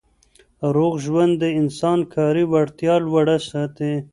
روغ ژوند د انسان کاري وړتیا لوړه ساتي.